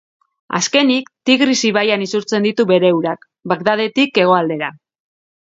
Azkenik, Tigris ibaian isurtzen ditu bere urak, Bagdadetik hegoaldera.